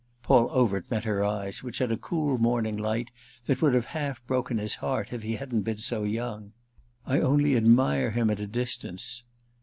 Paul Overt met her eyes, which had a cool morning light that would have half broken his heart if he hadn't been so young. "Alas I don't know him. I only admire him at a distance."